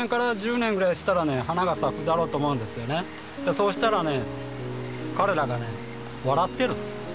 そうしたらね。